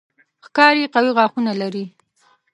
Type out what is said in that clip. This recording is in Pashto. ښکاري قوي غاښونه لري.